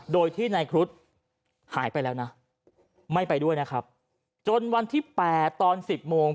โดยที่นายครุฑหายไปแล้วนะไม่ไปด้วยนะครับจนวันที่แปดตอนสิบโมง